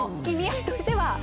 意味合いとしては。